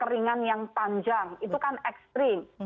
itu kan ringan yang panjang itu kan ekstrim